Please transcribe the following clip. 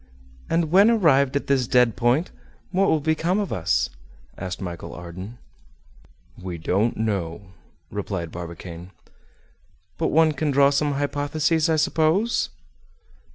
"And when arrived at this dead point, what will become of us?" asked Michel Ardan. "We don't know," replied Barbicane. "But one can draw some hypotheses, I suppose?"